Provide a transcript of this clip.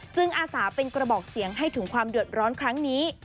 อาสาเป็นกระบอกเสียงให้ถึงความเดือดร้อนครั้งนี้